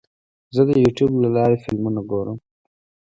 زه د یوټیوب له لارې فلمونه ګورم.